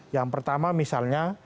yang pertama misalnya